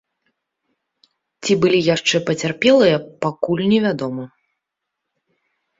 Ці былі яшчэ пацярпелыя, пакуль невядома.